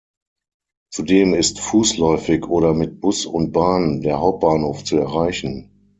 Zudem ist fußläufig oder mit Bus und Bahn der Hauptbahnhof zu erreichen.